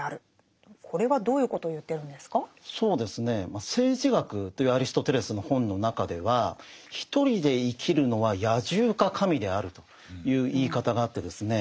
まあ「政治学」というアリストテレスの本の中ではという言い方があってですね